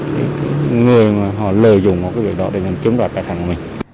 để không tìm tưởng qua những người lợi dụng đoạn này để chiếm đoạt tài sản của mình